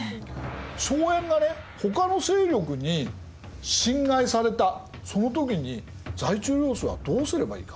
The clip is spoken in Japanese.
荘園がねほかの勢力に侵害されたその時に在地領主はどうすればいいか？